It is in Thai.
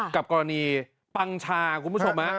กับกรณีปังชาคุณผู้ชม